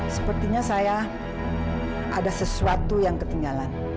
sepertinya saya ada sesuatu yang ketinggalan